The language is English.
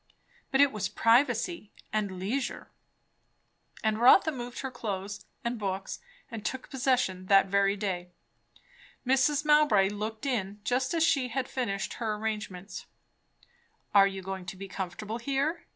But it was privacy and leisure; and Rotha moved her clothes and books and took possession that very day. Mrs. Mowbray looked in, just as she had finished her arrangements. "Are you going to be comfortable here?"